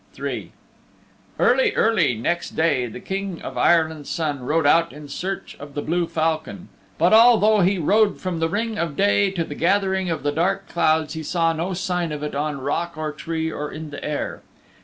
III Early, early, next day the King of Ireland's Son rode out in search of the blue falcon, but although he rode from the ring of day to the gathering of the dark clouds he saw no sign of it on rock or tree or in the air.